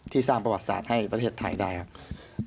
สร้างประวัติศาสตร์ให้ประเทศไทยได้ครับ